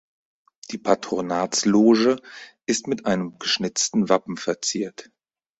Die Patronatsloge ist mit einem geschnitzten Wappen verziert.